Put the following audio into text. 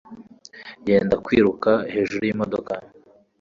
Yenda kwiruka hejuru yimodoka